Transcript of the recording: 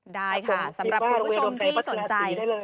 ได้ค่ะสำหรับคุณผู้ชมที่สนใจ